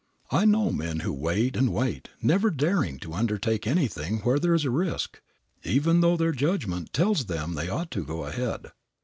I know men who wait and wait, never daring to undertake anything where there is risk, even though their judgment tells them they ought to go ahead.